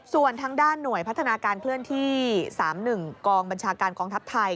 ส่วนทางด้านหน่วยพัฒนาการเคลื่อนที่๓๑กองบัญชาการกองทัพไทย